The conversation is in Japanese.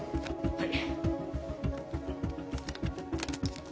はい。